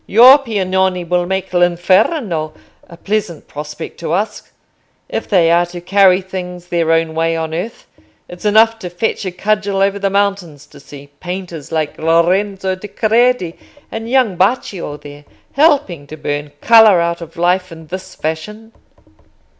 "Your Piagnoni will make l'inferno a pleasant prospect to us, if they are to carry things their own way on earth. It's enough to fetch a cudgel over the mountains to see painters, like Lorenzo di Credi and young Baccio there, helping to burn colour out of life in this fashion."